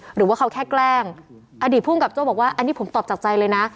หรือว่าเขาแค่แกล้งอดีตภูมิกับโจ้บอกว่าอันนี้ผมตอบจากใจเลยนะ